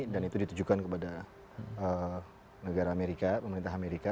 dan itu ditujukan kepada negara amerika pemerintah amerika